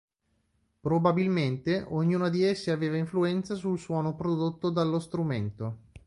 Probabilmente ognuna di esse aveva influenza sul suono prodotto dallo strumento.